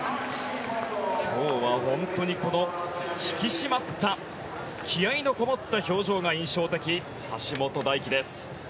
今日は、本当に引き締まった気合のこもった表情が印象的、橋本大輝です。